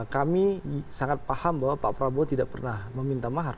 kami sangat paham bahwa pak prabowo tidak pernah meminta mahar